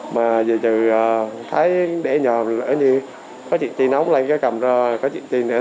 mà giờ trừ thấy để nhòm có chuyện chi nóng lên cầm ra có chuyện chi nữa